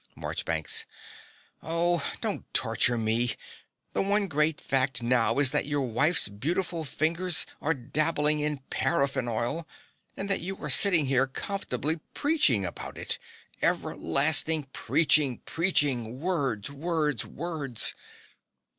MARCHBANKS. Oh, don't torture me. The one great fact now is that your wife's beautiful fingers are dabbling in paraffin oil, and that you are sitting here comfortably preaching about it everlasting preaching, preaching, words, words, words.